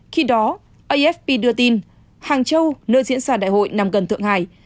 khi đó afp đưa tin hàng châu nơi diễn ra đại hội nằm gần thượng hải